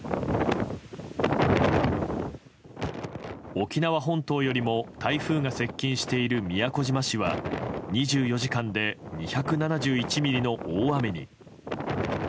沖縄本島よりも台風が接近している宮古島市は２４時間で２７１ミリの大雨に。